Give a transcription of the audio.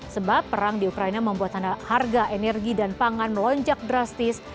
sebab perang di ukraina membuat harga energi dan pangan melonjak drastis